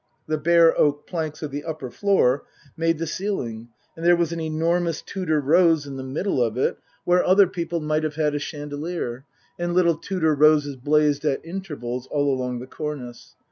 The bare oak planks of > the upper floor made the ceiling, and there was an enormous Tudor rose in the middle of it, where other people Book II : Her Book 189 might have had a chandelier, and little Tudor roses blazed at intervals all along the cornice.